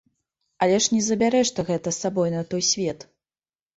Але ж не забярэш ты гэта з сабой на той свет!